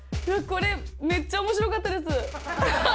これ、めっちゃおもしろかったです。